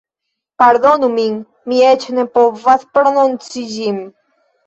Pardonu min, mi eĉ ne povas prononci ĝin